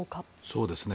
そうですね。